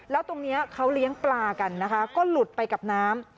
แล้วตรงนี้เขาเลี้ยงปลากันนะคะก็หลุดไปกับน้ำ